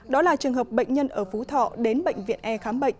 đó là trường hợp bệnh nhân ở phú thọ đến bệnh viện e khám bệnh